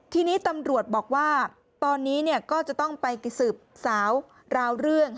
ทีนี้ตำรวจบอกว่าตอนนี้ก็จะต้องไปสืบสาวราวเรื่อง